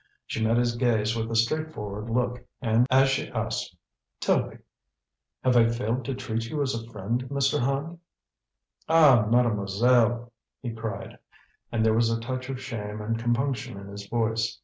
She met his gaze with a straightforward look, as she asked: "Tell me, have I failed to treat you as a friend, Mr. Hand?" "Ah, Mademoiselle!" he cried; and there was a touch of shame and compunction in his voice.